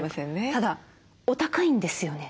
ただお高いんですよね？